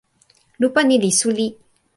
lupa ni li suli.